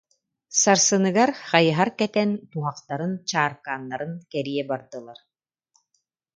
Сарсыныгар хайыһар кэтэн, туһахтарын, чааркааннарын кэрийэ бардылар